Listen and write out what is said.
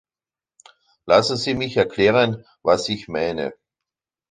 Lassen Sie mich erklären, was ich meine.